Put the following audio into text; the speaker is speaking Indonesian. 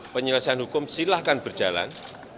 penyelesaian hukum silahkan berjalan